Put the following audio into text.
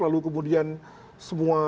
lalu kemudian semua